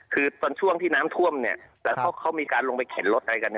คือตอนช่วงที่น้ำท่วมเนี่ยแล้วเขามีการลงไปเข็นรถอะไรกัน